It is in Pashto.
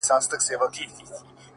بل څوک خو بې خوښ سوی نه وي؛